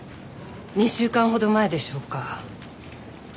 ２週間ほど前でしょうか。